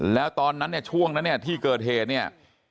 แล้วตอนนั้นเนี่ยช่วงนั้นเนี่ยที่เกิดเหตุเนี่ย